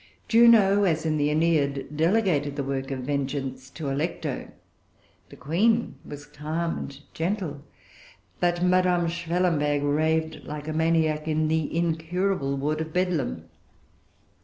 Juno, as in the Æneid, delegated the work of vengeance to Alecto. The Queen was calm and gentle; but Madame Schwellenberg raved like a maniac in the incurable ward of Bedlam!